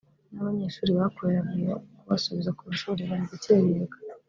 n’abanyeshuri bakoreraga ayo kubasubiza ku mashuri bari gukererwa